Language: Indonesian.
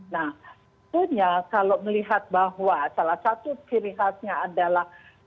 nah tentunya kalau melihat bahwa salah satu ciri khasnya adalah